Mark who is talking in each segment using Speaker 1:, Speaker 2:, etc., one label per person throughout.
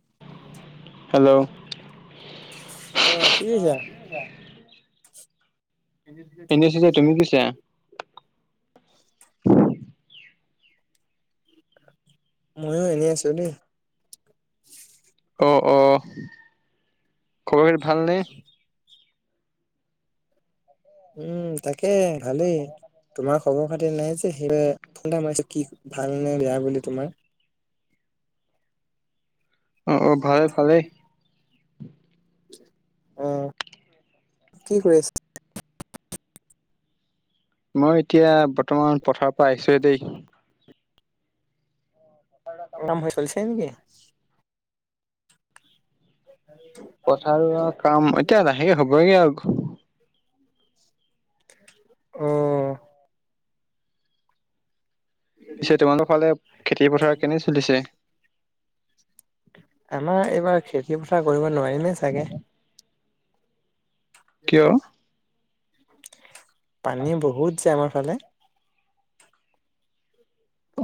Speaker 1: [inaudible]
Speaker 2: Hello.
Speaker 1: অ কি কইছা? [unintelligible] ময়ো এনেই আছো দেই।
Speaker 2: অহ। অহ। ঘৰত ভাল নে?
Speaker 1: উম। তাকে ভালেই। তোমাৰ খবৰ খাতি নাই যে সেয়ে ফোন এটা মাৰিছো। কি ভাল নে বেয়া বুলি তোমাৰ? [inaudible]
Speaker 2: অ' অ' ভালে, ভালেই।
Speaker 1: অহ কি কৰি আছা?
Speaker 2: মই এতিয়া বৰ্তমান পথাৰৰ পৰা আহিছোয়ে দেই।
Speaker 1: কাম হৈ চলিছে নেকি?
Speaker 2: পথাৰ কাম এতিয়া লাহেকে হ'বগে আৰু।
Speaker 1: অহ। [unintelligible] আমাৰ এইবাৰ খেতি-পথাৰ কৰিব নোৱাৰিমে চাগে! [unintelligible] পানী বহুত যে আমাৰ ফালে।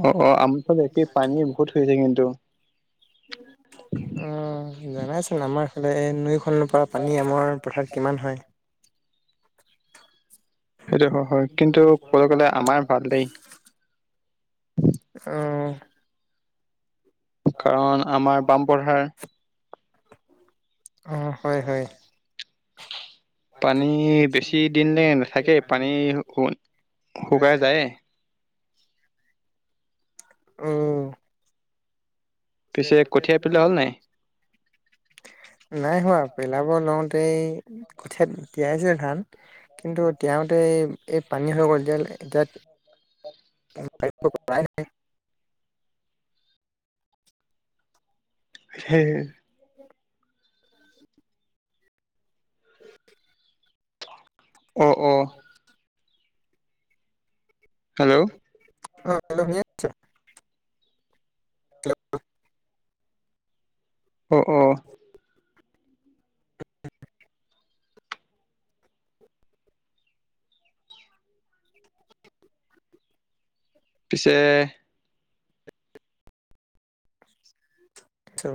Speaker 2: অ' অ' আমাৰফালে একে পানী বহুত হৈ যায় কিন্তু।
Speaker 1: অহ। জনাইচোন চোন আমাৰফালে এই নৈ খনৰ পৰা পানী আমাৰ পথাৰত কিমান হয়।
Speaker 2: সেইটো হয়। কিন্তু ক'ব গলে আমাৰ ভাল দেই। কাৰণ আমাৰ বামপঢ়াৰ
Speaker 1: অহ। হয়। হয়।
Speaker 2: পানী বেছি দিনলে নাথাকে পানী শুকাই যায়ে।
Speaker 1: অ'হ।
Speaker 2: পিছে কঠিয়াই পেলোৱা হ'ল -নাই?
Speaker 1: [inaudible] নাই হোৱা পেলাবৰ লওঁতেই, কঠিয়াত তিয়াইছে ধান কিন্তু তিয় এই পানী হৈ গ'ল এতিয়া। [inaudible]
Speaker 2: হে অ অ। হেল্ল
Speaker 1: অ হেল্ল শুনি আইটচা হেল্ল
Speaker 2: অ অ পিছে
Speaker 1: থ